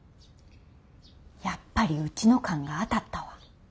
やっぱりウチの勘が当たったわ。